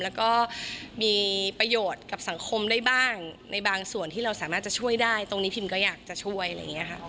แล้วก็มีประโยชน์กับสังคมได้บ้างในบางส่วนที่เราสามารถจะช่วยได้ตรงนี้ผมก็อยากจะช่วย